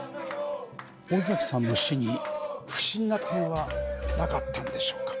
尾崎さんの死に不審な点はなかったんでしょうか？